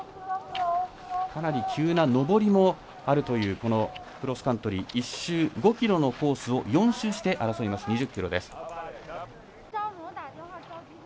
かなり急な上りもあるというこのクロスカントリー１周５ｋｍのコースを４周して争います。